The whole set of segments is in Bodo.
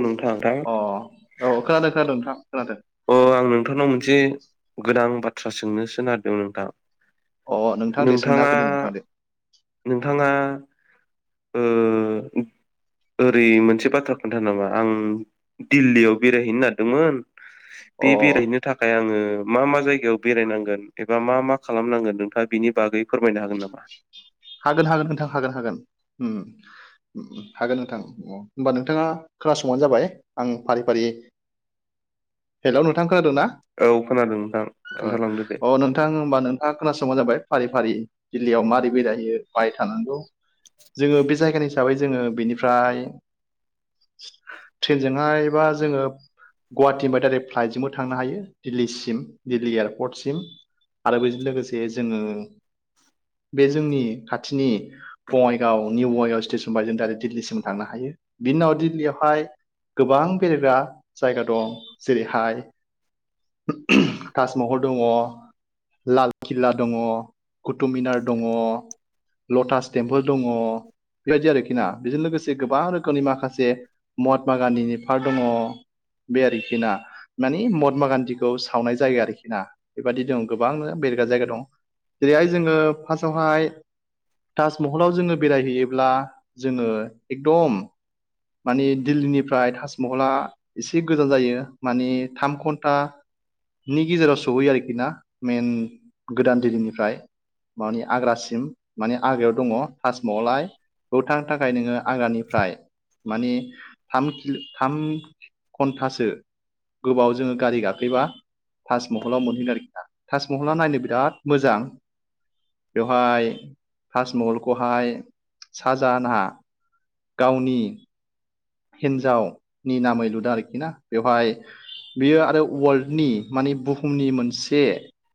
नोंथां अ औ खोनादों खोनादों नोंथां खोनादों अ आं नोंथांनाव मोनसे गोनां बाथ्रासो सोंनोसो नागिरदोंमोन नोंथां। अ नोंथां दे सोंनो नोंथाङा हागोन दे नोंथां दे नोंथाङा ओ ओरै मोनसे बाथ्रा खोन्था नामा आं दिल्लीयाव बेरायहैनो नागिरदोंमोन। अ बि बेरायनो थाखाय आङो मा मा जायगायाव बेरायनांगोन एबा मा मा खालामनांगोन नोंथाङा बिनि बागै फोरमायनो हागोन नामा? हागोन हागोन नोंथां हागोन हागोन ओम हागोन नोंथां। होमबा नोंथाङा खोनासंबानो जाबाय आं फारि फारि हेलौ नोंथां खोनादोंना औ खोनादों नोंथां ओ खोन्थालांदो दे अ नोंथां होमबा नों थाङा खोनासंबानो जाबाय फारि फारि दिल्लीयाव मारै बेरायहैयो अबाय थानांगौ जोङो बे जायगानि हिसाबै जोङो बेनिफ्राय ट्रेनजोंहाय बा जोङो गुवाहाटिनिफ्राय डायरेक फ्लाइटजोंबो थांनो हायो दिल्लीसिम दिल्ली एयारपर्टसिम आरो बेजों लोगोसे जोङो बे जोंनि खाथिनि बङाइगाव निउ बङाइगाव स्टेसन बायजों दायरेक दिल्लीसिम थांनो हायो बिनि उनाव दिल्लीयावहाय गोबां बेरायग्रा जायगा दं जेरैहाय ताजमहल दङ। लालकिल्ला दङ कुटुबमिनार दङ। लटास टेम्पोल दङ। बेबायदि आरोखि ना बेजों लोगोसे गोबां रोखोमनि माखासे महात्मा गान्धीनि पार्क दङ। बे आरोखि ना मानि महात्मा गान्धीखौ सावनाय जायगा आरोखि ना बेबायादि दं गोबां बेरायग्रा जायगा दं। जेरैहाय जोङो फार्स्टआवहाय ताजमहलाव जोङो बेरायहैयोब्ला जोङो एकदम माने दिल्लीनिफ्राय ताजमहला एसे गोजान जायो मानि थाम घन्टा नि गेजेराव सहैयो आरोखि ना मेइन गोदान दिल्लीनिफ्राय मानि आग्रासिम माने आग्रायाव दङ ताजमहलाहाय बेयाव थांनो थाखाय नोङो आगाननिफ्राय माने थाम किल' थाम घन्टासो गोबाव जोङो गारि गाखोयोबा ताजमहलाव मोनहैगोन आरोखि ना ताजमहला नायनो बिराद मोजां बेवहाय ताजमहलखौहाय साजाहाना गावनि हिन्जावनि नामै लुदों आरोखि ना बेवहाय बेयो आरो वार्लदनि माने बुहुमनि मोनसे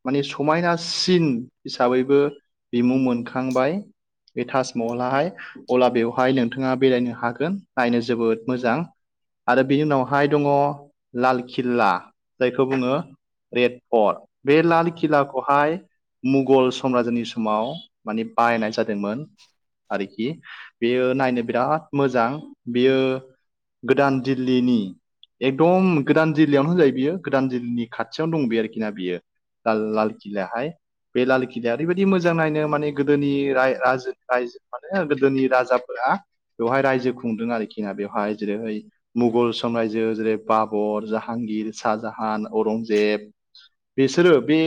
माने समायनासिन हिसाबैबो बिमु मोनखांबाय बे ताजमहलाहाय अब्ला बेवहाय नोंथाङा बेरायनो हागोन नायनो जोबोद मोजां। आरो बिनि उनावहाय दङ लाल किल्ला जायखौ बुङो। रेड फर्ट बे लाल किलाखौहाय मुगल समराजनि समाव माने बायनाय जादोंमोन आरोखि बेयो नायनो बिराद मोजां बियो गोदान दिल्लीनि एकदम गोदान जिल्लायावनो होजायो बियो गोदान जिल्लानि खाथियावनो दं बेयो आरोखि ना बियो ला लाल किल्लला हाय बे लालखिलिाया ओरैबायदि मोजां नायनो माने गोदोनि राज रायजो माने गोदोनि राजाफोरा बेवहाय रायजो खुंदों आरोखि ना बेवहाय जेरैहाय मुगल समराइजो जेरै बाबर जाहांगिर शाहजाहान औरंजेब बिसोरो बे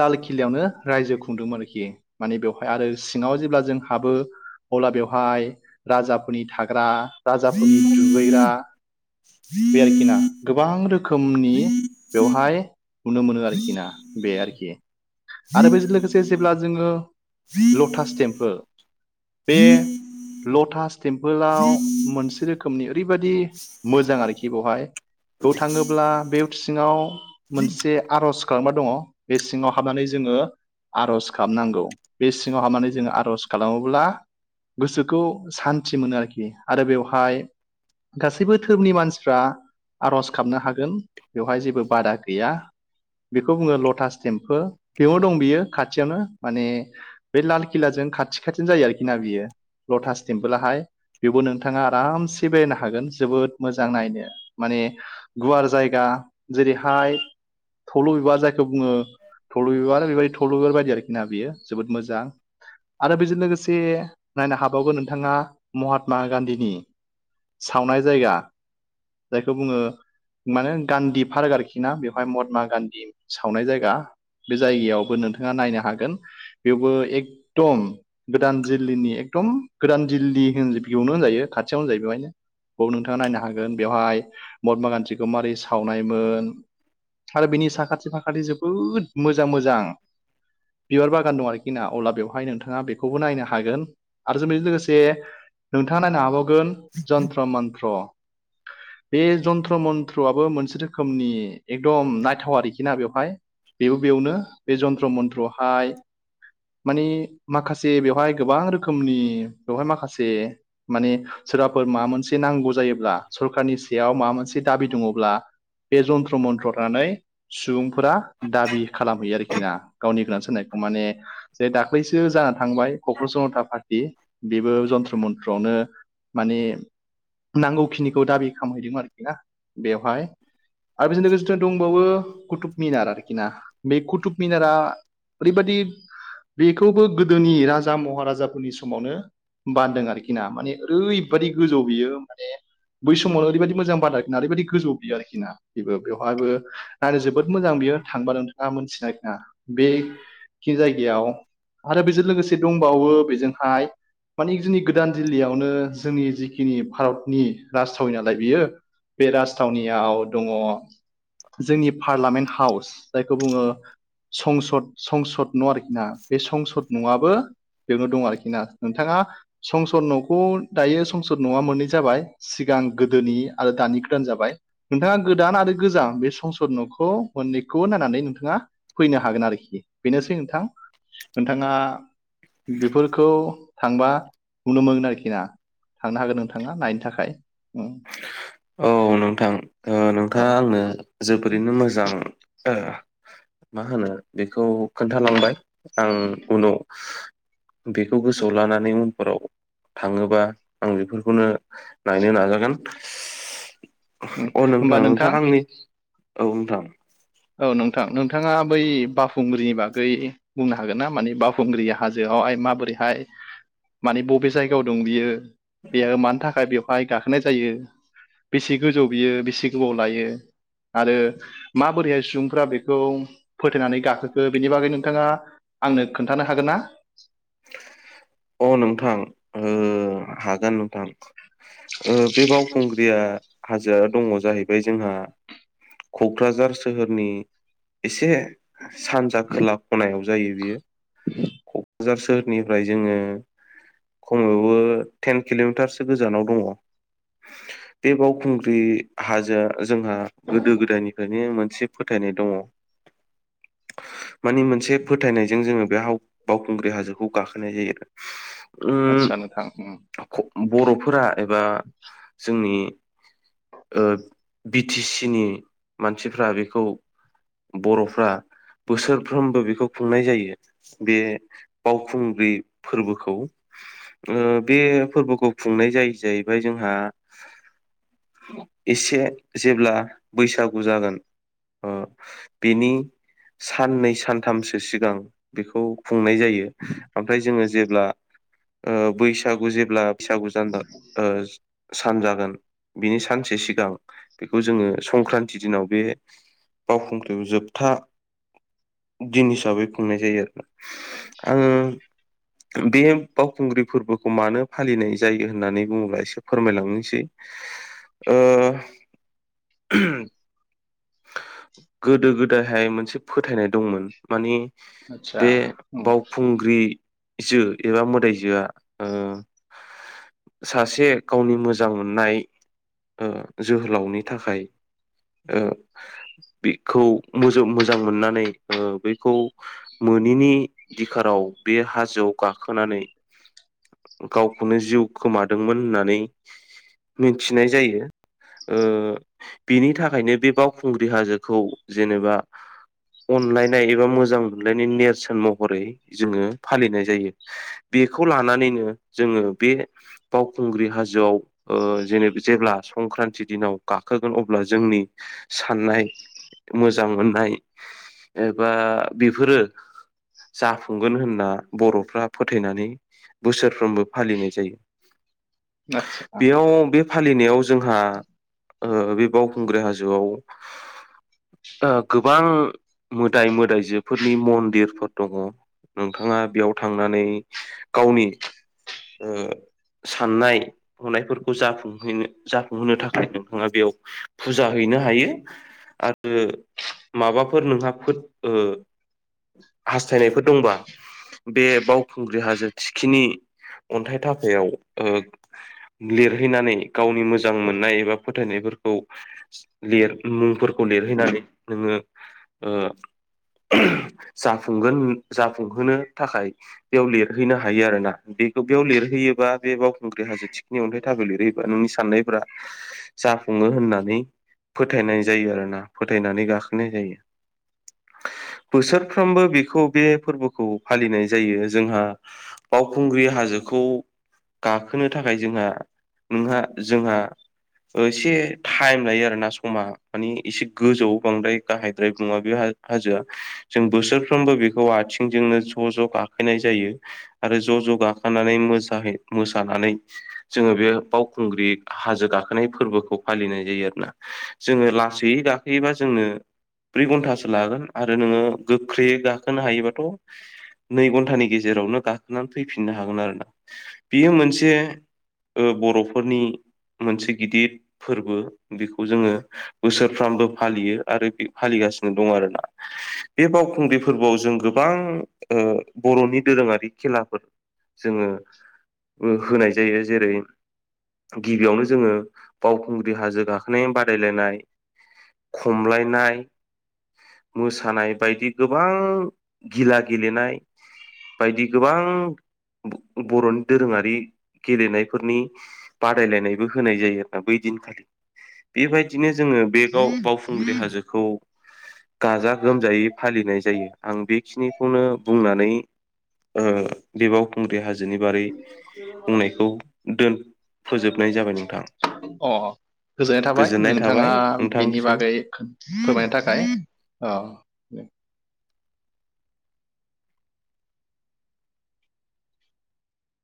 लाल किलायावनो रायजो खुंदोंमोन आरोखि माने बेवहाय आरो सिङाव जेब्ला जों हाबो अब्ला बेवहाय राजा फोरनि थाग्रा राजाफोरनि दुगैग्रा बे आरोखि ना गोबां रोखोमनि बेवहाय नुनो मोनो आरोखि ना बे आरोखि आरो बेजों लोगोसे जेब्ला जोङो लटास टेम्पोल बे लट टेमपोलाव मोनसे रोखोमनि ओरैबादि मोजां आरोखि बेवहाय बेयाव थाङोब्ला बे सिङाव मोनसे आर'ज खालामना दङ बे सिङाव हाबनानै जोङो आर'ज खालामाबनांगौ बे सिङाव हाबनानै जोङो आर'ज खालामोब्ला गोसोखौ सान्थि मोनो आरोखि आरो बेवहाय गासैबो धोरोमनि मानसिफ्रा आर'ज गाबनो हागोन बेवहाय जेबो बादा गैया। बेखौ बुङो लटास टेम्पोल बेयाव दं बियो खाथियावनो माने बे लाल किलाजों खाथि खाथिनो जायो आरोखि ना बियो लटास टेम्प लाहाय बेबो नोंथाङा आरामसे बेरायनो हागोन जोबोद मोजां नायनो माने गुवार जायगा जेरैहाय थब्ल बिबार जायखौ बुङो थब्ल बिबार बेबायदि थब्ल बिबार बायदि आरोखि ना बियो जोबोद मोजां आरो बेजों लोगोसे नायनो हाबावगोन नोंथाङा महात्मा गान्धीनि सावनाय जायगा जायखौ बुङो। माने गान्धी पार्क आरोखि ना बेवहाय महात्मा गान्धी सावनाय जायगा बे जायगायावबो नोंथाङा नायनो हागोन बेवबो एकदम गोदान दिल्लीनि एकदम गोदान दिल्ली होन बेयावनो होनजायो खाथियावनो जायो बेवहायनो ब नोंथाङा नायनो हागोन बेवहाय महात्मा गान्धीखौ मारै सावनायमोन आरो बिनि साखाथि फाखाथि जोबोद मोजां मोजां बिबार बागान दं आरोखि ना अब्ला बेवहाय नोंथाङा बेखौबो नायनो हागोन आरो जों बेजों लोगोसे नोंथाङा नायनो हाबावगोन जन्त्र मन्त्र बे जन्त्र मन्त्रआबो मोनसे रोखोमनि एकदम नायथाव आरोखि ना बेवहाय बेबो बेयावनो बे जन्त्र मन्थ्रआवहाय माने माखासे बेवहाय गोबां रोखोमनि बेवहाय माखासे माने सोरबाफोर माबा मोनसे नांगौ जायोब्ला सरखारनि सायाव माबा मोनसे दाबि दङब्ला बे जन्त्र मन्थ्रनानै सुबुंफोरा दाबि खालामहैयो आरोखि ना गावनि गोनां सारनायखौ माने जे दाख्लैसो जाना थांबाय क'क्रा जनता पार्टि बेबो जन्त्र मन्त्रआवनो माने नांगौखिनिखौ दाबि खालामहैदोंमोन आरोखि ना बेवहाय आरो बेजों लोगोसे दंबावो कुुब मिनार आरोखि ना बे कुटुब मिनारा ओरैबायादि। बेखौबो गोदोनि राजा महाराजाफोरनि समावनो। बान्दों आरोखि ना माने ओरैबादि गोजौ बियो माने। बै समावनो ओरैबायदि मोजां बादानना ओरैबायदि गोजौ बियो आरोखिना बेबो बेवहायो। आरो जोबोद मोजां बियो थांबा नोंथाङा मोनथिनाय आरोना बेखि जायगायाव। आरो बेजों लोगोसे दंबावो बेजोंहाय मानि जोंनि गोदान जिल्लायावनो जोंनि जिखिनि भारतनि राजथावि नालाय बियो। बे राजथावनियाव दङ जोंनि पारलामामेन्ट हाउस जायखौ बुङो संसद संसद न' आरोखि ना बे संसद न'आआबो। बेयावनो दं आरोखि ना नोंथाङा संसार न'खौ। दायो संसद नङा मोननै जाबाय सिगां गोदोनि आरो दानि गोदान जाबाय। नोंथाङा गोदान आरो गोजाम बे संसद न'खौ मोननैखौ नायनानै नोंथाङा फैनो हागोन आरोखि बेनोसै नोंथां नोंथाङा बेफोरखौ थांबा नुनो मोनगोन आरोखि ना। थांनो हागोन नोंथांङा नायनो थाखाय। उम, औ नोंथां ओ औ नोंथांङा आंनो जोबोरैनो मोजां ओ मा होनो बेखौ खोन्थालांबाय आं उनाव बेखौ गोसोआव लानानै उनफोराव थांङोबा आं बेफोरखौनो नायनो नाजागोन। उम। अ होमबा नोंथां-नोंथां नोंथां आंनि औ नोंथां। औ नोंथां नोंथांङा बै बााखुंग्रिनि बागै बुंनो हागोन ना माने बावखुंग्रि हाजोआवहाय माबोरैहाय मानि बबे जायगायाव दं बियो बेयो मानि थाखाय बेवहाय गाखोनाय जायो बेसे गोजौ बियो बेसे गोबाव लायो आरो माबोरैहाय सुबुंफ्रा बेखौ फोथेनानै गाखोखो बेनि बागै नोंथांङा आंनो खोन्थानो हागोन ना? अ नोंथां ओ हागोन नोंथां। ओ बे बावखुंग्रिया हाजोआ दंङ जाहैबाय जोंहा क'क्राझार सोहोरनि एसे सानजा खोला ख'नायाव जायो बेयो। [unintelligible] [inaudible] जार सोहोरनिफ्राय जोंङो खमावबो टेन किल'मिटारसो गोजानाव दंङ। बे बावखुंग्रि हाजोआ जोंहा गोदो-गोदायनिफ्रायनो मोनसे फोथायनाय दंङ मानिे मोनसे फोथायनायजों जोंङो बे बाव खुंग्रि हाजोखौ गाखोनाय जायो। आदसा नोंथां उम ओम बर'फोरा एबा जोंनि ओ बि टि सि नि मानसिफ्रा बेखौ बर'फ्रा बोसोरफ्रोमबो बेखौ खुंनाय जायो। बे बावखुंग्रि फोरबोखौ। ओ बे फोरबोखौ खुंनाय जायो जाहैबाय जोंहा एसे जेब्ला बैसागु जागोन। ओ बिनि साननै सानथामसो सिगां बेखौ खुंनाय जायो ओमफ्राय जोंङो जेब्ला ओ बैसागु जेब्ला बैसागुजान ओ सान जागोन। बिनि सानसे सिगां बेखौ जोंङो संक्रान्ति दिनाव बे बावखुंग्रियाव जोबथा दिन हिसाबै खुंनाय जायो आरो ना। आंङो। बे बावखुंग्रि फोरबोखौ मानो फालिनाय जायो होननानै बुंङोब्ला एसे फोरमायलांनोसै ओ गोदो-गोदायहाय मोनसे फोथायनाय दंमोन। मानि आदसा बे उम बावखुंग्रिजो एबा मोदायजोआ ओ सासे गावनि मोजां मोननाय। ओ जोहोलावनि थाखाय ओ बेखौ मोजों-मोजां मोननानै ओ बेखौ मोनिनि दिखाराव बे हाजोआव गाखोनानै गावखौनो जिउ खोमादोंमोन होननानै मिथिनाय जायो। ओ बिनि थाखायनो बे बावखुंग्रि हाजोखौ जेनोबा अनलायनाय एबा मोजां मोनलायनाय नेरसोन महरै जोंङो फालिनाय जायो। बेखौ लानानैनो जोंङो बे बावखुंग्रि हाजोआव ओ जेने जेब्ला संक्रान्ति दिनाव गाखोगोन अब्ला जोंनि साननाय मोजां मोननाय एबा बेफोरो जाफुंगोन होनना बर'फ्रा फोथायनानै बोसोरफ्रोमबो फालिनाय जायो। आदसा बेयाव बे फालिनायाव जोंहा ओ बे बावखुंग्रि हाजोआव ओ गोबां मोदाय मोदायजो फोरनि मन्दिरफोर दङ नोंथाङा बेयाव थांनानै गावनि ओ साननाय हनायफोरखौ जाफुंहैनो जाफुंहोनो थाखाय नोंथाङा बेयाव फुजा हैनो हायो आरो माबाफोर नोंहा फो औ हास्थायनायफोर दंबा बे बावखुंग्रि हाजो थिखिनि अन्थाइ थापायाव ओ लिरहैनानै गावनि मोजां मोननाय एबा फोथायनायफोरखौ लिर मुंफोरखौ लिरहैनानै नोङो ओ जाफुंगोन जाफुंहोनो थाखाय बेयाव लिरहैनो हायो आरोना। बेखौ बेयाव लिरहैयोबा बे बावखुंग्रि हाजो थिखिनि अन्थाइ थापायाव लिरहैयोबा नोंनि साननायफ्रा जाफुङो होननानै फोथायनाय जायो आरोना फोथायनानै गाखोनाय जायो। बोसोरफ्रोमबो बेखौ बे फोरबोखौ फालिनाय जायो जोंहा। बावखुंग्रि हाजोखौ गाखोनो थाखाय जोंहा नोंहा जोंहा एसे टाइम लायो आरोना समा मानि एसे गोजौआव बांद्राय गाहायद्रायबो नङा बे हा हाजोआ। जों बोसोरफ्रोमबो बेखौ आथिंजोंनो ज' ज' गाखोननाय जायो आरो ज' ज' गा थांनानै मोसाहै मोसानानै जोङो बे बावखुंग्रि हाजो गाखोनाय फोरबोखौ फालिनाय जायो आरोना। जोङो लासैयै गाखोयोबा जोंनो ब्रै घन्टासो लागोन आरो नोङो गोख्रैयै गाखोनो हायोबाथ' नै घन्टानि गेजेरावनो गाखोनानै फैफिननो हागोन आरोना बेयो मोनसे ओ बर'फोरनि मोनसे गिदिर फोरबो। बेखौ जोङो बोसोरफ्रामबो फालियो आरो फालिगासिनो दं आरोना। बे बावखुंग्रि फोरबोआव जों गोबां बर'नि दोरोङारि खेलाफोर जोङो ओ होनाय जायो जेरै गिबियावनो जोङो बावखुंग्रि हाजो गाखोनाय बादायलायनाय खमलायनाय मोसानाय बायदि गोबां गिला गेलेनाय बायदि गोबां बर'नि दोरोङारि गेलेनायफोरनि बादायलायनायबो होनाय जायो नोंथां बै दिनखालि बेबायदिनो जोङो बे बावखुंग्रि हाजोखौ गाजा गोमजायै फालिनाय जायो आं बेखिनिखौनो बुंनानै ओ बे बावखुंग्रि हाजोनि बारै बुंनायखौ दोन फोजोबनाय जाबाय नोंथां अ गोजोननाय थाबाय नोंथाङा थाबाय बेनि नोंथांनिसिम बागै फोरमायनायनि थाखाय औ।